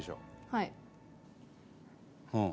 はい。